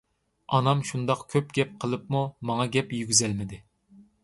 ئانام شۇنداق كۆپ گەپ قىلىپمۇ ماڭا گەپ يېگۈزەلمىدى.